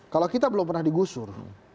kalau kita belum pernah digusur